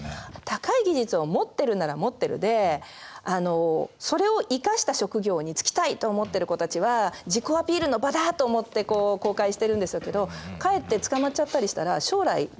高い技術を持ってるなら持ってるでそれを生かした職業に就きたいと思ってる子たちは自己アピールの場だと思って公開してるんでしょうけどかえって捕まっちゃったりしたら将来犠牲になっちゃいますよね。